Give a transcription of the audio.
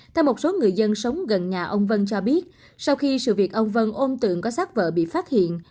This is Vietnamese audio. theo một số người dân sống gần nhà ông vân cho biết sau khi sự việc ông vân ôm tượng có sát vợ bị phát hiện